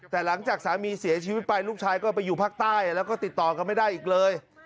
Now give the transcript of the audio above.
แต่หลังจากสามีเสียชีวิตไปลูกชายก็ไปอยู่ภาคใต้แล้วก็ติดต่อกันไม่ได้อีกเลย